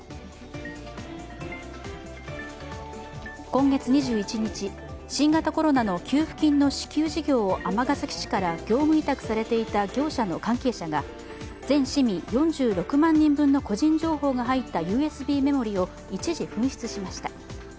今月２１日、新型コロナの給付金の支給事業を尼崎市から業務委託されていた業者の関係者が全市民４６万人分の個人情報が入ったＵＳＢメモリーを一時紛失しました。